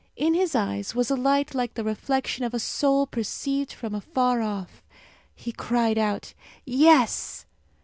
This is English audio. In his eyes was a light like the reflection of a soul perceived from afar off. He cried out, "Yes!"